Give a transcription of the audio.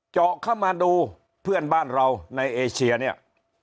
เจาะเข้ามาดูเพื่อนบ้านเราในเอเชียเนี่ย